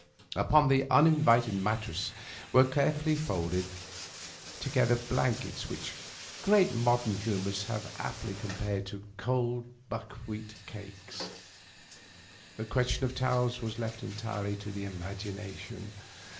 Upon the uninviting mattresses were carefully folded together those blankets which a great modem humorist has aptly compared to cold buck wheat cakes. The question of towels was left entirely to the imagination.